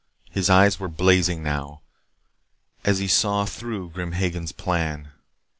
His eyes were blazing now, as he saw through Grim Hagen's plan.